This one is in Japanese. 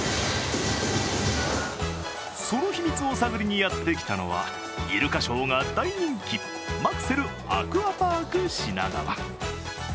その秘密を探りにやってきたのはイルカショーが大人気、マクセルアクアパーク品川。